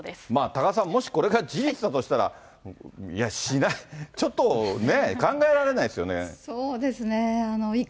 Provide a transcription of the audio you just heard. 多賀さん、これがもし事実だとしたら、しない、ちょっとねえ、考えられないそうですね。